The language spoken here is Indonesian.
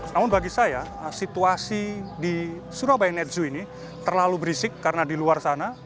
namun bagi saya situasi di surabaya night zoo ini terlalu berisik karena di luar sana